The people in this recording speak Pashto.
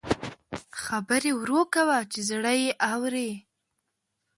خبرې ورو کوه چې زړه یې اوري